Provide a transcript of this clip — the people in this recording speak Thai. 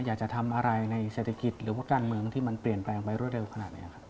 อยากจะทำอะไรในเศรษฐกิจหรือว่าการเมืองที่มันเปลี่ยนแปลงไปรวดเร็วขนาดไหนครับ